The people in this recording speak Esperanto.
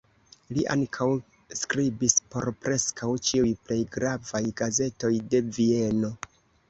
Li ankaŭ skribis por preskaŭ ĉiuj plej gravaj gazetoj de Vieno.